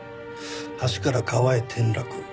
橋から川へ転落。